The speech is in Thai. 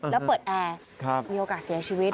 แล้วเปิดแอร์มีโอกาสเสียชีวิต